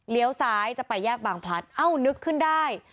ซ้ายจะไปแยกบางพลัดเอ้านึกขึ้นได้